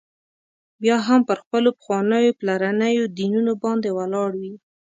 بیا هم پر خپلو پخوانیو پلرنيو دینونو باندي ولاړ وي.